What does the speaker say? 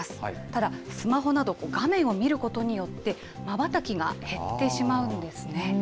ただ、スマホなど画面を見ることによって、まばたきが減ってしまうんですね。